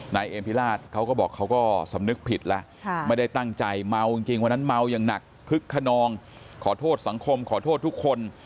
นายเอมพิราชเขาก็บอกเขาก็สำนึกผิดแล้วไม่ได้ตั้งใจเมาจริงวันนั้นเมาอย่างหนักคึกขนองขอโทษสังคมขอโทษทุกคน